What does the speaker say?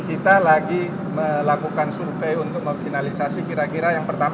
kita lagi melakukan survei untuk memfinalisasi kira kira yang pertama